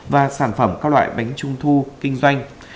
và sản phẩm các loại bánh trung thu kinh doanh